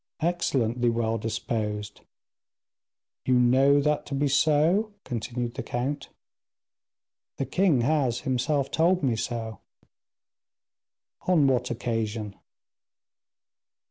"Excellently well disposed." "You know that to be so?" continued the count. "The king has himself told me so." "On what occasion?"